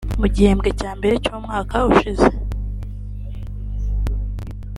Mu gihembwe cya mbere cy’umwaka ushize